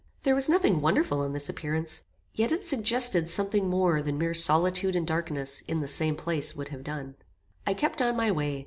There was nothing wonderful in this appearance; yet it suggested something more than mere solitude and darkness in the same place would have done. "I kept on my way.